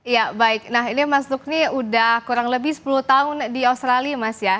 ya baik nah ini mas lukni udah kurang lebih sepuluh tahun di australia mas ya